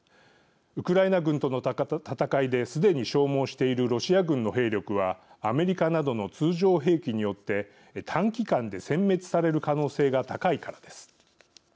ウクライナ軍との戦いですでに消耗しているロシア軍の兵力はアメリカなどの通常兵器によって短期間で、せん滅される可能性が高いからです。